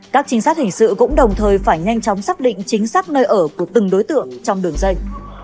các trinh sát hình sự cũng đồng thời phải nhanh chóng xác định chính xác nơi ở của từng đối tượng trong đường dây